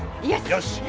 よし。